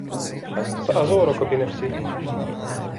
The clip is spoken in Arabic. سأزورك بنفسي.